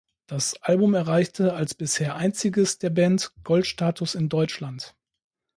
Das Album erreichte, als bisher einziges der Band, Goldstatus in Deutschland.